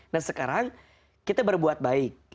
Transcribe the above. nah sekarang kita berbuat baik